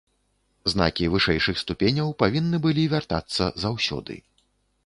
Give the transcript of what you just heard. Знакі вышэйшых ступеняў павінны былі вяртацца заўсёды.